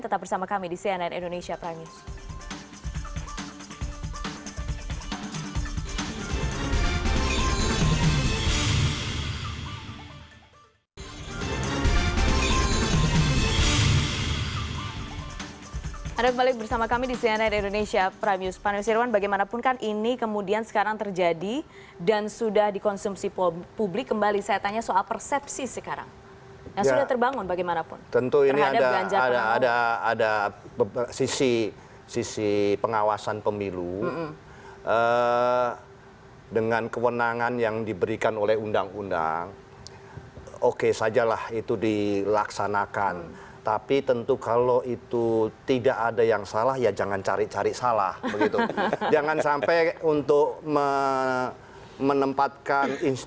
tetap bersama kami di cnn indonesia prime news